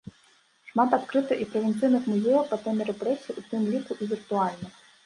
Шмат адкрыта і правінцыйных музеяў па тэме рэпрэсій, у тым ліку і віртуальных.